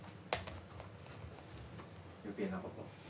余計なこと？